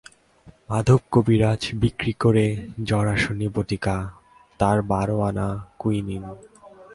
মাধব কবিরাজ বিক্রি করে জ্বরাশনি বটিকা, তার বারো-আনা কুইনীন।